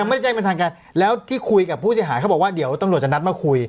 ไม่ได้แจ้งเป็นทางการแล้วที่คุยกับผู้เสียหายเขาบอกว่าเดี๋ยวตำรวจจะนัดมาคุย